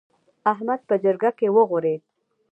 احمد په جرګه کې وغورېد.